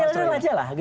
yang real real aja lah